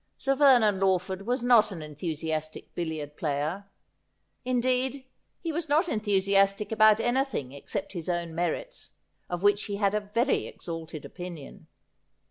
Sir Vernon Lawford was not an enthusiastic billiard player ; indeed, he was not enthusias tic about anything, except his own merits, of which he had a very exalted opinion.